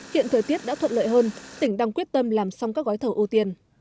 hiện thời tiết đã thuận lợi hơn tỉnh đang quyết tâm làm xong các gói thầu ưu tiên